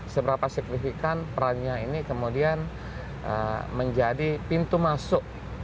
seberapa signifikan perannya ini kemudian menjadi pintu masuk